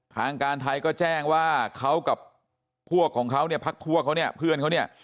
ทางการไทยก็แจ้งว่าเขากับพวกของเขาเนี่ยพักพวกเขาเนี่ยเพื่อนเขาเนี่ย